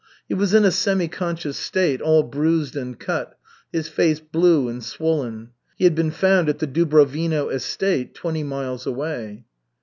He was in a semi conscious state, all bruised and cut, his face blue and swollen. He had been found at the Dubrovino estate, twenty miles away.